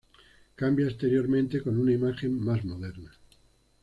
Cambia exteriormente con una imagen más moderna.